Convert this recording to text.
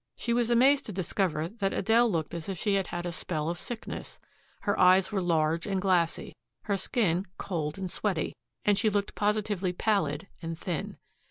She was amazed to discover that Adele looked as if she had had a spell of sickness. Her eyes were large and glassy, her skin cold and sweaty, and she looked positively pallid and thin.